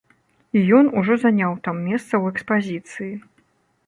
І ён ужо заняў там месца ў экспазіцыі.